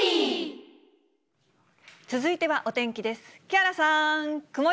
続いてはお天気です。